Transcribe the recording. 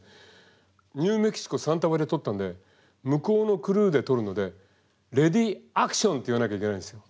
ニューメキシコサンタフェで撮ったんで向こうのクルーで撮るので「レディーアクション！」って言わなきゃいけないんですよ。